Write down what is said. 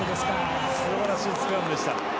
すばらしいスクラムでした。